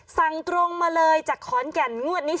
สั่งตรงมาเลยจากขอนแก่นงวดนี้